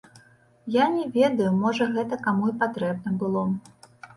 Я не ведаю, можа гэта каму і патрэбна было.